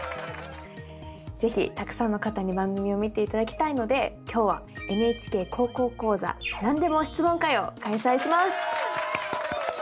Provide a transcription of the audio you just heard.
是非たくさんの方に番組を見ていただきたいので今日は「ＮＨＫ高校講座」なんでも質問会を開催します。